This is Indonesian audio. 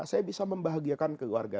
saya bisa membahagiakan keluarga